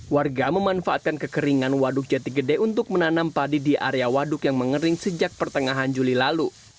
warga memanfaatkan kekeringan waduk jati gede untuk menanam padi di area waduk yang mengering sejak pertengahan juli lalu